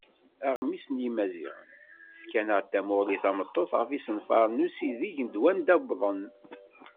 Aɣmis n Yimaziɣen: Efk-aneɣ-d tamuɣli tamatut ɣef yisenfaren n usideg d wanda wwḍen?